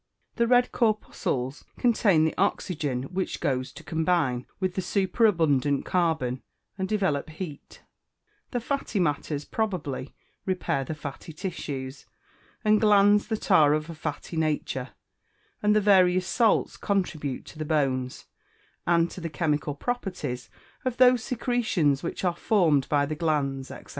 The red corpuscles contain the oxygen which goes to combine with the superabundant carbon, and develop heat; the fatty matters probably repair the fatty tissues, and glands that are of a fatty nature; and the various salts contribute to the bones, and to the chemical properties of those secretions which are formed by the glands, &c.